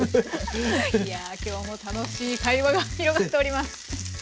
いや今日も楽しい会話が広がっております。